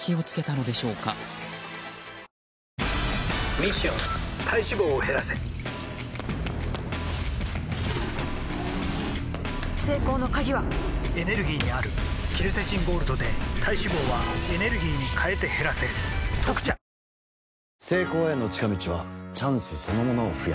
ミッション体脂肪を減らせ成功の鍵はエネルギーにあるケルセチンゴールドで体脂肪はエネルギーに変えて減らせ「特茶」続いてはソラよみ。